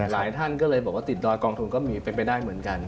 ท่านก็เลยบอกว่าติดดอยกองทุนก็มีเป็นไปได้เหมือนกัน